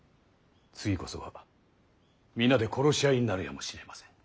次こそは皆で殺し合いになるやもしれませぬ。